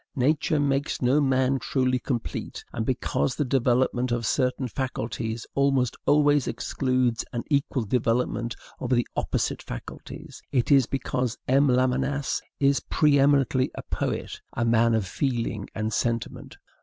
Nature makes no man truly complete, and because the development of certain faculties almost always excludes an equal development of the opposite faculties; it is because M. Lamennais is preeminently a poet, a man of feeling and sentiment.